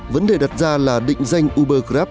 vấn đề đặt ra là định danh uber grab